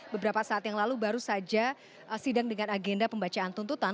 beberapa saat yang lalu baru saja sidang dengan agenda pembacaan tuntutan